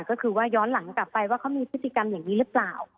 ก็คือว่าย้อนหลังกลับไปว่าเขามีพฤติกรรมอย่างนี้หรือเปล่า